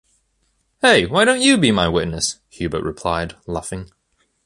Hey! why don’t you be my witness? Hubert replied, laughing.